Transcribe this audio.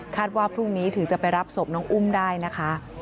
ว่าพรุ่งนี้ถึงจะไปรับศพน้องอุ้มได้นะคะ